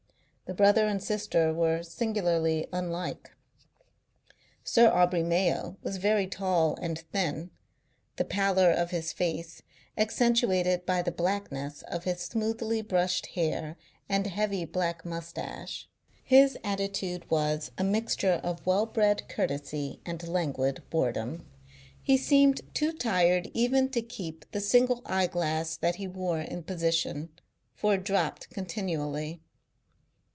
The brother and sister were singularly unlike. Sir Aubrey Mayo was very tall and thin, the pallor of his face accentuated by the blackness of his smoothly brushed hair and heavy black moustache. His attitude was a mixture of well bred courtesy and languid boredom. He seemed too tired even to keep the single eye glass that he wore in position, for it dropped continually.